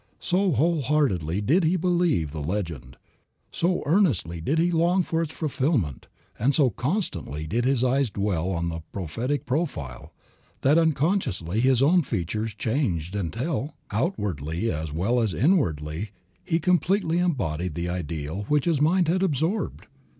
So whole heartedly did he believe the legend, so earnestly did he long for its fulfillment, and so constantly did his eyes dwell on the prophetic profile, that unconsciously his own features changed until, outwardly as well as inwardly, he completely embodied the ideal which his mind had absorbed.